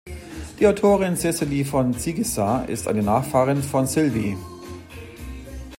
Die Autorin Cecily von Ziegesar ist eine Nachfahrin von Sylvie.